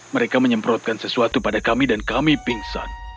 mereka menyemprotkan sesuatu pada kami dan kami pingsan